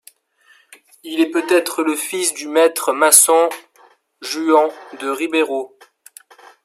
Il est peut-être le fils du maître maçon Juan de Ribero.